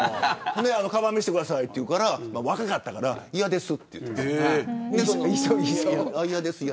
かばん見せてくださいと言われたから若かったから嫌ですと言ったんです。